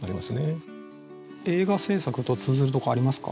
映画製作と通ずるとこありますか？